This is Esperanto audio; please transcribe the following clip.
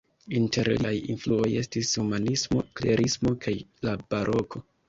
Inter liaj influoj estis humanismo, klerismo kaj la Baroko.